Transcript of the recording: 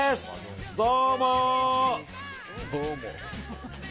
どうもー！